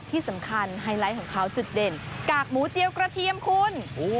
ไฮไลท์ของเขาจุดเด่นกากหมูเจียวกระเทียมคุณ